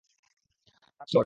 তার অস্ত্র ছিল ওটা!